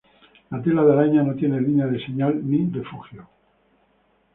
La tela de araña no tiene "línea de señal" ni refugio.